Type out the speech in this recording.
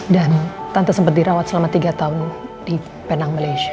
dan tante sempat dirawat selama tiga tahun di penang malaysia